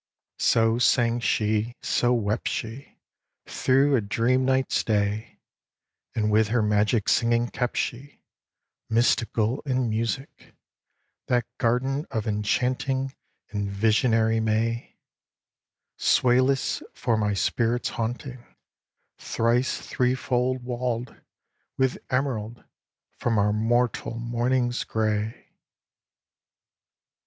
So sang she, so wept she, Through a dream night's day; And with her magic singing kept she Mystical in music That garden of enchanting In visionary May; Swayless for my spirit's haunting, Thrice threefold walled with emerald from our mortal mornings grey.